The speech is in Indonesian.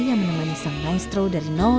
yang menemani sang maestro dari